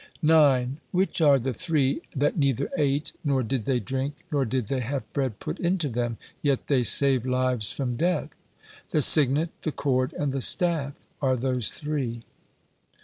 (44) 9. "Which are the three that neither ate, nor did they drink, nor did they have bread put into them, yet they saved lives from death?" "The signet, the cord, and the staff are those three."